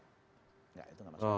enggak itu enggak masuk akal